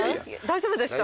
大丈夫です。